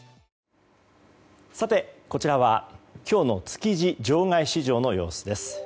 こちらは今日の築地場外市場の様子です。